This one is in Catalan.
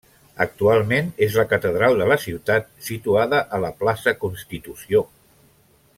Actualment és la Catedral de la ciutat situada a la Plaça Constitució.